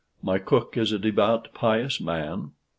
My cook is a devout pious man.